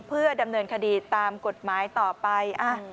เพื่อดำเนินคดีตามกฎหมายต่อไป